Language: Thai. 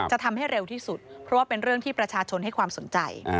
จะทำให้เร็วที่สุดเพราะว่าเป็นเรื่องที่ประชาชนให้ความสนใจ